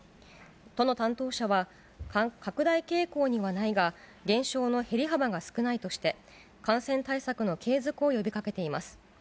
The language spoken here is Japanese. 都の担当者は、拡大傾向にはないが、減少の減り幅が少ないとして、感染対策の継続を呼びかけています。